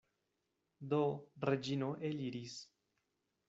Do Reĝino eliris.